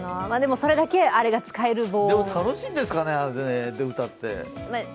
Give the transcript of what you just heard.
それだけあれが使える防音でも楽しいんですかね、あれで歌って。